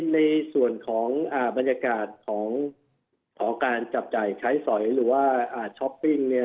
ในส่วนของบรรยากาศของของการจับจ่ายคล้ายสอยหรือว่าช้อปปิ้ง